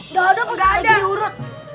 nggak ada masih lagi urut